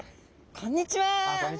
こんにちは。